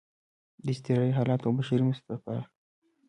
د اضطراري حالاتو او بشري مرستو لپاره